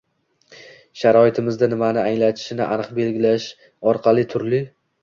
sharoitimizda nimani anglatishini aniq belgilash orqali turli